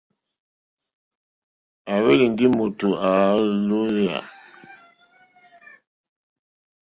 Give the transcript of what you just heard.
À hwélì ndí mòtò à lɔ̀ɔ́hwèyà.